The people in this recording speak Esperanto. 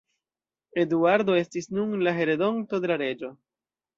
Eduardo estis nun la heredonto de la reĝo.